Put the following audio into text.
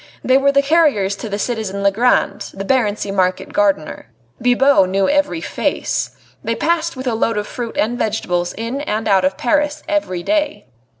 They were the carriers to citizen Legrand, the Barency market gardener. Bibot knew every face. They passed with a load of fruit and vegetables in and out of Paris every day.